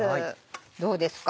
どうですか？